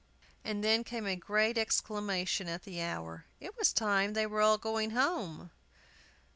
And then came a great exclamation at the hour: "It was time they were all going home!"